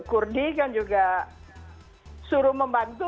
kurdi kan juga suruh membantu